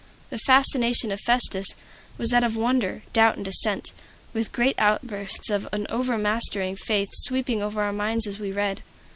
The fascination of "Festus" was that of wonder, doubt, and dissent, with great outbursts of an overmastering faith sweeping over our minds as we read.